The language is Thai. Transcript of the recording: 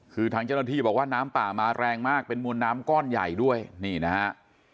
คือทางเจ้าหน้าที่บอกว่าน้ำป่ามาแรงมากเป็นมวลน้ำก้อนใหญ่ด้วยนี่นะฮะ